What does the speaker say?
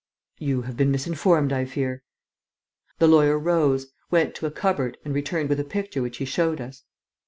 "You have been misinformed, I fear." The lawyer rose, went to a cupboard and returned with a picture which he showed us.